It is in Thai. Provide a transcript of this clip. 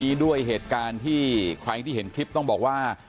นี้ด้วยเหตุการณ์ที่ใครที่เห็นคลิปต้องบอกว่า